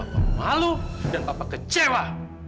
aku malu dan aku kecewa